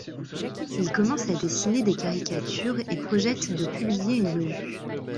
Il commence à dessiner des caricatures et projette de publier une revue.